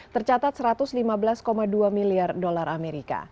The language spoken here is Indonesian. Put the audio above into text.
tercatat satu ratus lima belas dua miliar dolar amerika